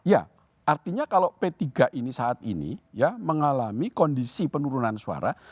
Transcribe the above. ya artinya kalau p tiga ini saat ini ya mengalami kondisi penurunan suara